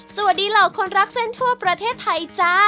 เหล่าคนรักเส้นทั่วประเทศไทยจ้า